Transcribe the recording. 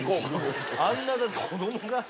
あんな子供が。